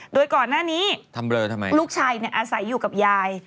โดยก่อนหน้านี้ลูกชายอาศัยอยู่กับยาย